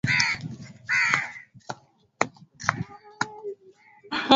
i kadhalika wawakilishi kutoka nchi mbalimbali